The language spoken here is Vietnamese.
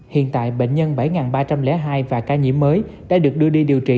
hiện tại bệnh nhân bảy ba trăm linh hai và ca nhiễm mới đã được đưa đi điều trị